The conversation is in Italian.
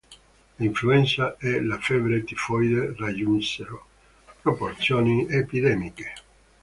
L'influenza e la febbre tifoide raggiunsero proporzioni epidemiche.